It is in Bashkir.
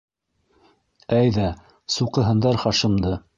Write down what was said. Әйҙә суҡыһындар Хашимды!